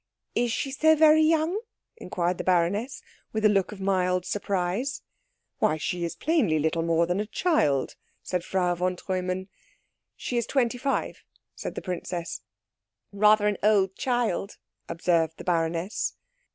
"Is she so very young?" inquired the baroness, with a look of mild surprise. "Why, she is plainly little more than a child," said Frau von Treumann. "She is twenty five," said the princess. "Rather an old child," observed the baroness.